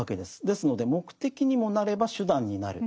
ですので目的にもなれば手段になる。